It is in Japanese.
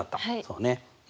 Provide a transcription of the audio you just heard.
そうね。